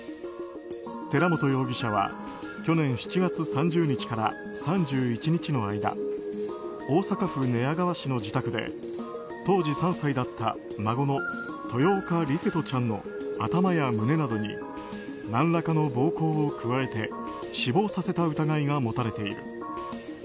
寺本容疑者は去年７月３０日から３１日の間大阪府寝屋川市の自宅で当時３歳だった孫の豊岡琉聖翔ちゃんの頭や胸などに何らかの暴行を加えて死亡させた疑いが持たれている。